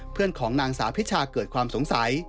เพื่อนของนางสาวพิชาเกิดความสงสัย